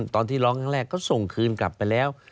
ตอนที่ร้องครั้งแรกก็ส่งคืนกลับไปแล้ว